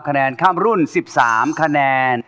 คะแนนข้ามรุ่น๑๓คะแนน